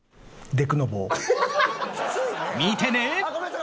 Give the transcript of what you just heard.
見てね！